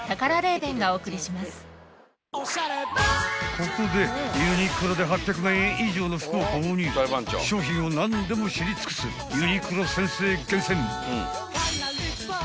［ここでユニクロで８００万円以上の服を購入商品を何でも知り尽くすユニクロ先生厳選］